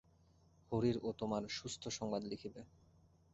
হরির ও তোমার সুস্থ সংবাদ লিখিবে।